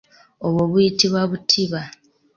Obwo buyitibwa butimba.